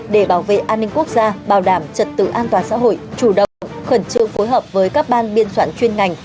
để bảo vệ an ninh quốc gia bảo đảm trật tự an toàn xã hội chủ động khẩn trương phối hợp với các ban biên soạn chuyên ngành